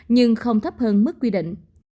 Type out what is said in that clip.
nhưng không thấp hơn mức quy định